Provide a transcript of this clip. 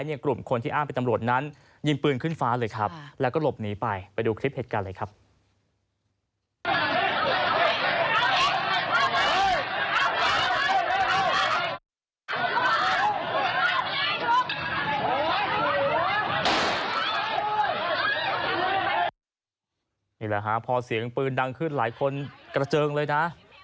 นี่แหละฮะพอเสียงปืนดังขึ้นหลายคนกระเจิงเลยนะ